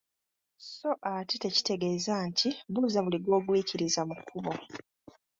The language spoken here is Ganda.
So ate tekitegeeza nti buuza buli gw’ogwikiriza mu kkubo.